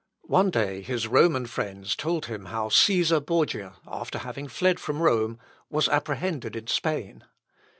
One day his Roman friends told him how Cæsar Borgia, after having fled from Rome, was apprehended in Spain.